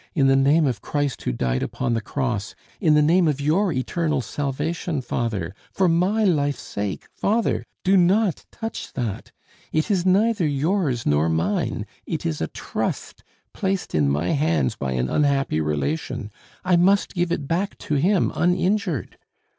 in the name of Christ who died upon the cross! in the name of your eternal salvation, father! for my life's sake, father! do not touch that! It is neither yours nor mine. It is a trust placed in my hands by an unhappy relation: I must give it back to him uninjured!"